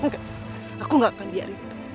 enggak aku gak akan biarin itu